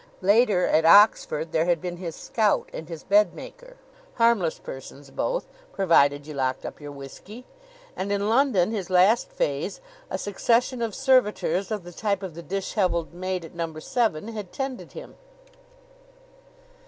Later, at Oxford, there had been his "scout" and his bed maker, harmless persons both, provided you locked up your whisky. And in London, his last phase, a succession of servitors of the type of the disheveled maid at Number Seven had tended him.